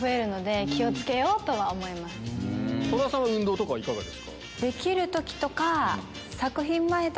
戸田さんは運動とかいかがですか？